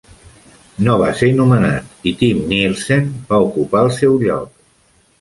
No va ser nomenat i Tim Nielsen va ocupar el seu lloc.